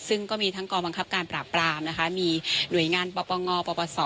ซึ่งก็มีทั้งกรบังคับการปราบปรามนะคะมีหน่วยงานประป๋องอประป๋อสอ